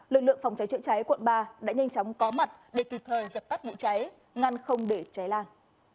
lực lượng phòng cháy chữa cháy quận ba đã nhanh chóng có mặt để từ thời gặp tắt mũ cháy ngăn không để cháy lan